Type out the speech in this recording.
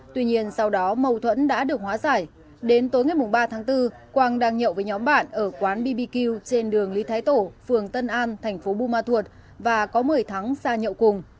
tuy nhiên sau đó mâu thuẫn đã được hóa giải đến tối ngày ba tháng bốn quang đang nhậu với nhóm bạn ở quán bbq trên đường lý thái tổ phường tân an tp buôn ma thuật và có một mươi tháng ra nhậu cùng